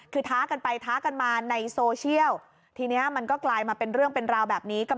คือท้ากันไปท้ากันมาในโซเชียลทีนี้มันก็กลายมาเป็นเรื่องเป็นราวแบบนี้